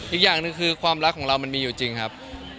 อีกอย่างหนึ่งคือความรักของเรามันมีอยู่จริงครับ